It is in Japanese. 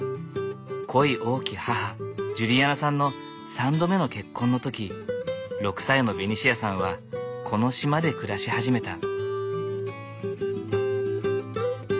恋多き母ジュリアナさんの３度目の結婚の時６歳のベニシアさんはこの島で暮らし始めた。